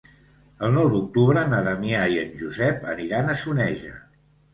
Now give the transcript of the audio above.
El nou d'octubre na Damià i en Josep aniran a Soneja.